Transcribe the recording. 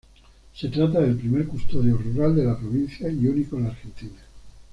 Se trata del primer Custodio Rural de la provincia y único en la Argentina.